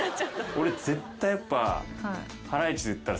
俺絶対やっぱ。